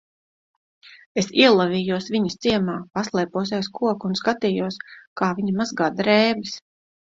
Es ielavījos viņas ciemā, paslēpos aiz koka un skatījos, kā viņa mazgā drēbes.